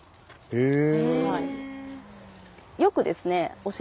へえ。